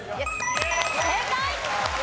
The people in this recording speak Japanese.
正解！